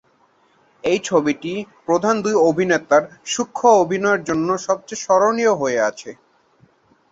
এই ছবিটি প্রধান দুই অভিনেতার সূক্ষ্ম অভিনয়ের জন্য সবচেয়ে স্মরণীয় হয়ে আছে।